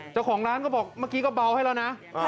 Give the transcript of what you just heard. เจ้าของร้านก็บอกเมื่อกี้ก็เบาให้แล้วนะ